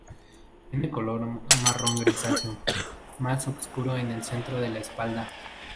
Tiene color marrón grisáceo, más obscuro en el centro de la espalda.